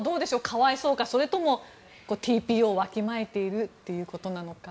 可哀想か、それともＴＰＯをわきまえているということか。